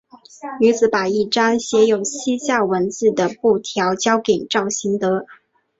女子把一张写有西夏文字的布条交给赵行德。